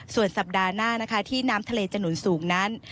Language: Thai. ส่วนสัปดาห์หน้านะคะที่น้ำทะเลจะหนุนสูงนั้น